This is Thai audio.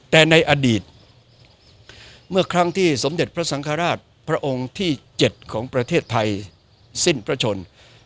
แต่ในอดีตเมื่อครั้งที่สมเด็จพระสังฆราชพระองค์ที่๗ของประเทศไทยสิ้นพระชน